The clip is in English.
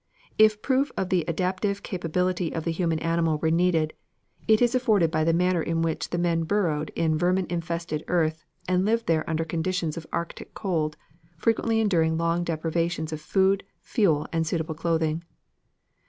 If proof of the adaptive capacity of the human animal were needed, it is afforded by the manner in which the men burrowed in vermin infested earth and lived there under conditions of Arctic cold, frequently enduring long deprivations of food, fuel, and suitable clothing.